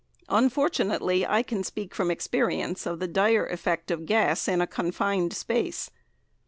Unfortunately, I can speak from experience of the dire effect of gas in a confined space.